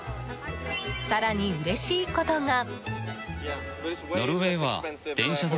更に嬉しいことが。